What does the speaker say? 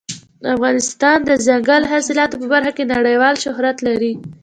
افغانستان د دځنګل حاصلات په برخه کې نړیوال شهرت لري.